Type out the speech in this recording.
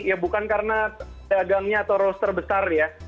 ya bukan karena dagangnya atau roaster besar ya